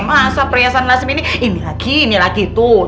masa perhiasan nasib ini ini lagi ini lagi tuh